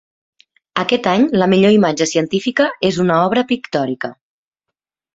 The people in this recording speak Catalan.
Aquest any la millor imatge científica és una obra pictòrica.